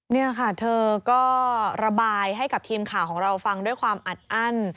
นี่ค่ะเธอก็ระบายให้กับทีมข่าวของเราฟังด้วยความอัดอั้น